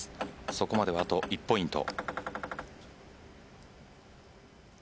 そこまでは、あと１ポイント。